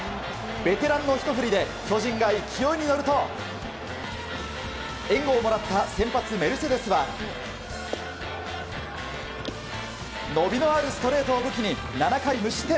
ベテランのひと振りで巨人が勢いに乗ると援護をもらった先発メルセデスは伸びのあるストレートを武器に７回無失点。